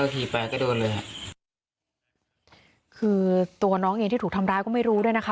คือตัวน้องเองที่ถูกทำร้ายก็ไม่รู้ด้วยนะคะ